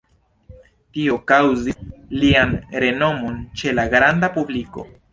Tio kaŭzis lian renomon ĉe la granda publiko.